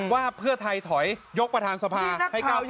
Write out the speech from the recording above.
ว่าเพื่อไทยถอยยกประธานสภาให้ก้าวใหญ่